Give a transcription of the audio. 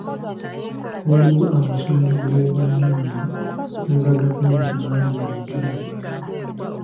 Waliwo amasomero g'obwannanyini n'aga gavumenti mangi mu Uganda.